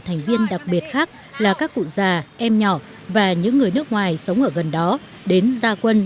thành viên đặc biệt khác là các cụ già em nhỏ và những người nước ngoài sống ở gần đó đến gia quân